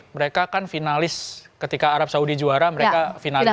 mereka kan finalis ketika arab saudi juara mereka finalnya